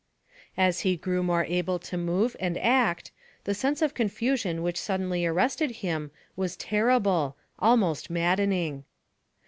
As he grew more able to move and act, the sense of confusion which suddenly arrested him was terrible almost maddening.